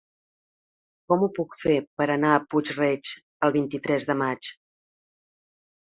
Com ho puc fer per anar a Puig-reig el vint-i-tres de maig?